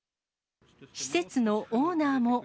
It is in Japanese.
施設のオーナーも。